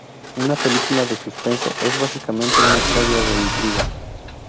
Una película de suspenso es básicamente una historia de intriga.